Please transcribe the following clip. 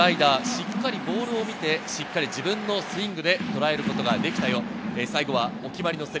しっかりボールを見て自分のスイングでとらえることができたよ。